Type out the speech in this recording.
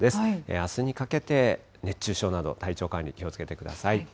あすにかけて熱中症など、体調管理、気をつけてください。